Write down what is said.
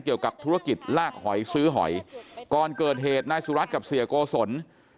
เกี่ยวกับธุรกิจลากหอยซื้อหอยก่อนเกิดเหตุนายสุรัตน์กับเสียโกศล